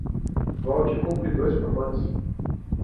Volte e compre dois pacotes.